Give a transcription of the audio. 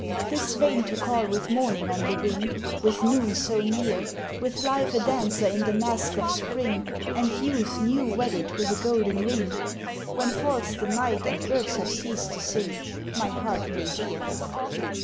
"'Tis vain to call with morning on the wing, With noon so near, With Life a dancer in the masque of Spring And Youth new wedded with a golden ring When falls the night and birds have ceased to sing My heart may hear!